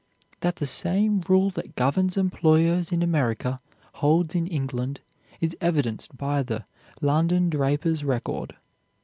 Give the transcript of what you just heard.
That the same rule that governs employers in America holds in England, is evidenced by the "London Draper's Record."